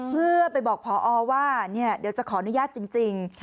เพื่อไปบอกพอว่าเดี๋ยวจะขออนุญาตจริง